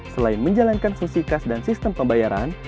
selain menjalankan fungsi kas dan sistem pembayaran